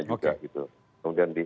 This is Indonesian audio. juga gitu kemudian di